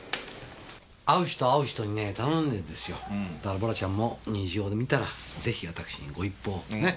会う人会う人にね頼んでんですよだから洞ちゃんも虹を見たらぜひ私にご一報をね。